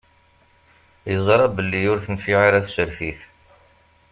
Yeẓṛa belli ur tenfiɛ ara tsertit.